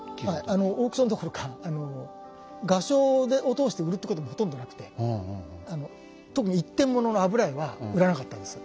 あのオークションどころか画商を通して売るってこともほとんどなくて特に一点物の油絵は売らなかったんです。